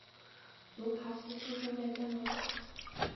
卢卡斯出生在加拿大。